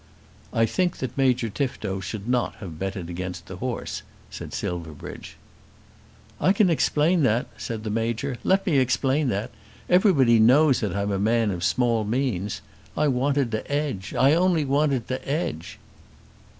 "I think that Major Tifto should not have betted against the horse," said Silverbridge. "I can explain that," said the Major. "Let me explain that. Everybody knows that I'm a man of small means. I wanted to 'edge, I only wanted to 'edge."